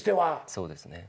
そうですね。